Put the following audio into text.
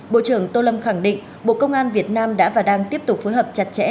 bộ trưởng tô lâm khẳng định bộ công an việt nam đã và đang tiếp tục phối hợp chặt chẽ